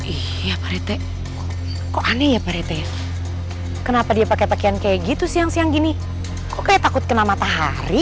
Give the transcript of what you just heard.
iya pak rete kok aneh ya pak rete ya kenapa dia pakai pakaian kayak gitu siang siang gini kok kayak takut kena matahari